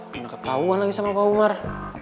mana ketauan lagi sama pak umar